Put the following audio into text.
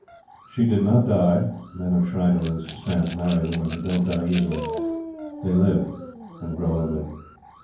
She did not die men of Schreiderling's stamp marry women who don't die easily. They live and grow ugly.